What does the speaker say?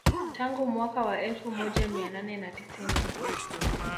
Tangu mwaka wa elfu moja mia nane na tisini